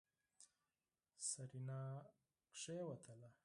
سېرېنا کېوتله.